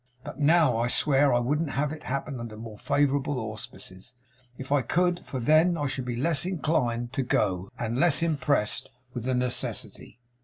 But now! I swear I wouldn't have it happen under more favourable auspices, if I could; for then I should be less inclined to go, and less impressed with the necessity.